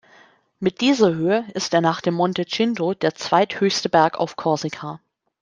Mit dieser Höhe ist er nach dem Monte Cinto der zweithöchste Berg auf Korsika.